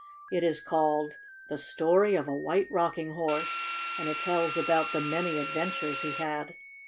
It is called "The Story of a White Rocking Horse," and it tells about the many adventures he had.